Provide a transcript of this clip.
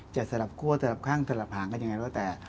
สลับคั่วสลับข้างสลับหางกันยังไงแล้วแต่